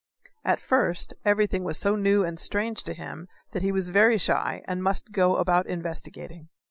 At first everything was so new and strange to him that he was very shy and must go about investigating.